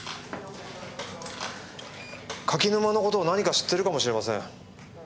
柿沼の事を何か知ってるかもしれません。